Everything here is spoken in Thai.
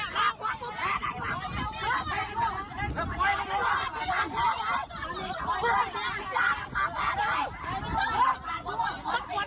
สวัสดีครับ